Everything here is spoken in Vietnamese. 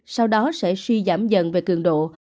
sau đó sẽ suy giảm dần về cường độ